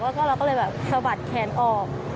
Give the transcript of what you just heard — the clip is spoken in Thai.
แล้วก็เราก็เลยแบบสะบัดแขนออก